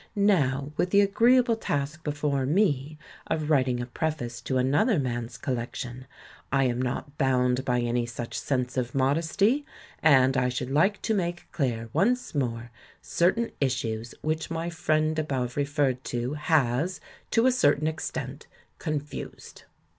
Xow, with the agreeable task before me of writing a preface to another man's collection, I am not bound by any such sense of modesty, and I should like to make clear once more certain issues which my friend above referred to has, to a certain extent, confused.